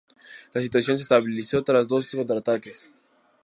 La situación se estabilizó tras dos contraataques.